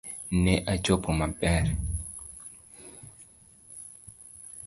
Ne achopo maber